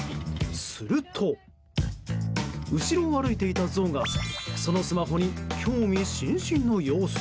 すると、後ろを歩いていたゾウがそのスマホに興味津々の様子。